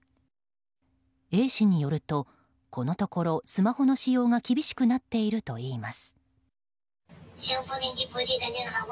Ａ氏によると、このところスマホの使用が厳しくなっているといいます。